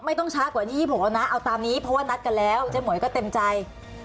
ไม่ต้องช้ากว่า๒๖แล้วนะเอาตามนี้เพราะว่านัดกันแล้วเจ๊หมวยก็เต็มใจ